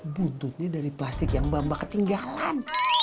buntutnya dari plastik yang bamba ketinggalan